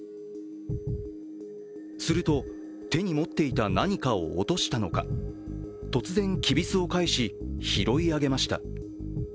すると、手に持っていた何かを落としたのか突然、きびすを返し拾い上げました。